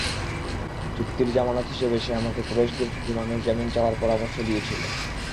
চুক্তির জামানত হিসেবে সে আমাকে কুরাইশদের থেকে মানুষ জামিন চাওয়ার পরামর্শ দিয়েছিল।